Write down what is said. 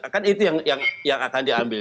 kan itu yang akan diambil